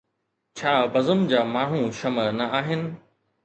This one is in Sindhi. ڇا بزم جا ماڻهو شمع نه آهن؟